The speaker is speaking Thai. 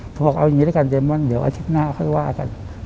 บอกเอาอย่างนี้ด้วยกันเดมอนเดี๋ยวอาทิตย์หน้าค่อยว่ากัน